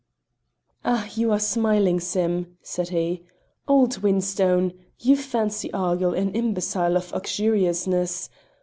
"Ah! you are smiling, Sim!" said he. "Old whinstone! You fancy Argyll an imbecile of uxoriousness.